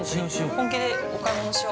◆本気でお買い物しよう。